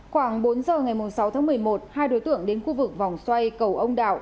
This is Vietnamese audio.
khoảng bốn giờ ngày sáu tháng một mươi một hai đối tượng đến khu vực vòng xoay cầu ông đạo